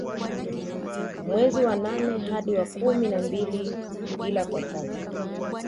Mwezi wa nane hadi wa kumi na mbili ila kwa sasa